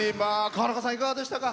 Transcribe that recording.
川中さん、いかがでしたか？